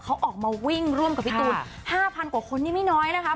เขาออกมาวิ่งร่วมกับพี่ตูน๕๐๐กว่าคนนี่ไม่น้อยนะคะ